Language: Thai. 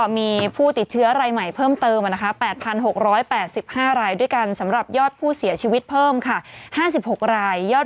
ไม่เคยอะไรเลย